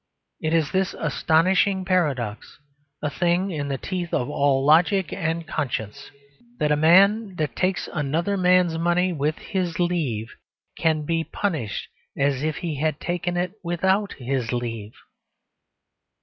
It is this astonishing paradox, a thing in the teeth of all logic and conscience, that a man that takes another man's money with his leave can be punished as if he had taken it without his leave.